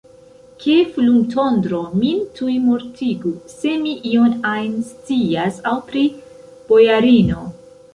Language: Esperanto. Ke fulmotondro min tuj mortigu, se mi ion ajn scias aŭ pri bojarino!